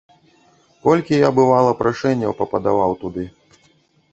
Колькі я, бывала, прашэнняў пападаваў туды.